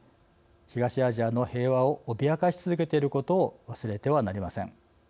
東アジアの平和を脅かし続けていることを忘れてはなりません。